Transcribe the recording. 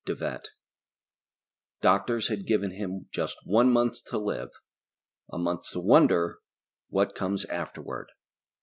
De Vet_ Doctors had given him just one month to live. A month to wonder, what comes afterward?